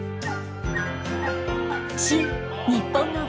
「新・にっぽんの芸能」